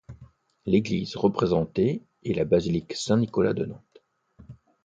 L'église représentée est la basilique Saint-Nicolas de Nantes.